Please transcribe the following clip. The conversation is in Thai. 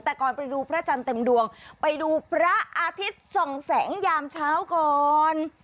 แต่ก่อนไปดูพระจันทร์เต็มดวงไปดูพระอาทิตย์ส่องแสงยามเช้าก่อน